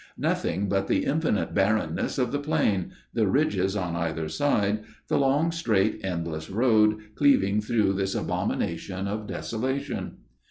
Nothing but the infinite barrenness of the plain, the ridges on either side, the long, straight, endless road cleaving through this abomination of desolation.